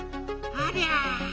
ありゃ。